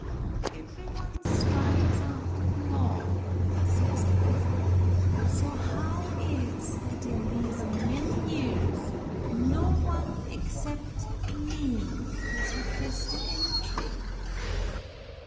"Everyone strives after the law," says the man, "so how is that in these many years no one except me has requested entry?"